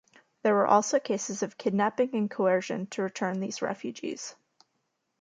There were also cases of kidnapping and coercion to return these refugees.